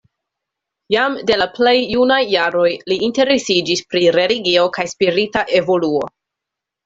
Jam de la plej junaj jaroj li interesiĝis pri religio kaj spirita evoluo.